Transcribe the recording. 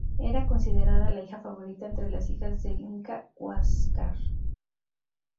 Era considerada la hija favorita entre las hijas del inca Huáscar.